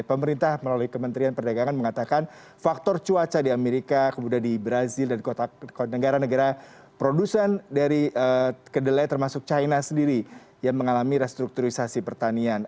pemerintah melalui kementerian perdagangan mengatakan faktor cuaca di amerika kemudian di brazil dan negara negara produsen dari kedelai termasuk china sendiri yang mengalami restrukturisasi pertanian